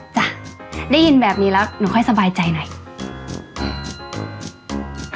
จ้ะได้ยินแบบนี้แล้วหนูค่อยสบายใจหน่อย